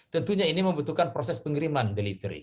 tentunya ini membutuhkan proses pengiriman delivery